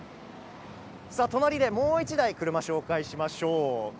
隣もう１台、車を紹介しましょう。